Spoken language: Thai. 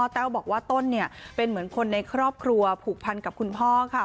แต้วบอกว่าต้นเป็นเหมือนคนในครอบครัวผูกพันกับคุณพ่อค่ะ